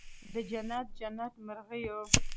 د جنت، جنت مرغېو